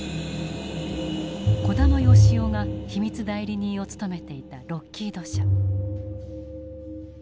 児玉誉士夫が秘密代理人を務めていたロッキード社。